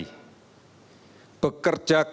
dan mencari reagen yang terbaik